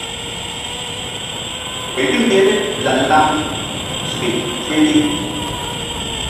Rim ye la-laŋ soy te ni.